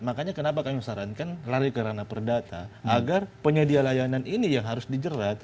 makanya kenapa kami sarankan lari ke ranah perdata agar penyedia layanan ini yang harus dijerat